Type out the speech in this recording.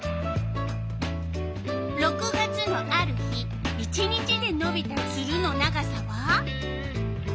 ６月のある日１日でのびたツルの長さは？